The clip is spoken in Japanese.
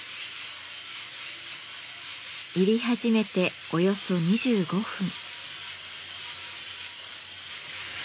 煎り始めておよそ２５分。